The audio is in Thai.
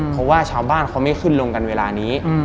เพราะว่าชาวบ้านเขาไม่ขึ้นลงกันเวลานี้